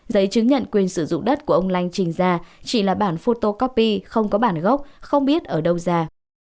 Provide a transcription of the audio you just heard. giấy chứng nhận quyền sử dụng đất của ông lanh trình ra chỉ là bản photocopy không có bản gốc không biết ở đâu ra